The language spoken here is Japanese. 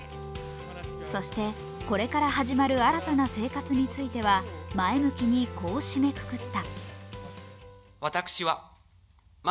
そして、これから始まる新たな生活については前向きに、こう締めくくった。